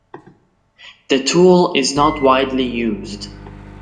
The tool is not widely used.